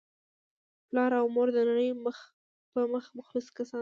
پلار او مور دنړۍ په مخ مخلص کسان دي